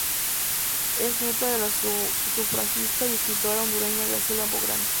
Es nieta de la sufragista y escritora hondureña Graciela Bográn.